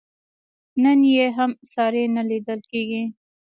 نن یې هم ساری نه لیدل کېږي.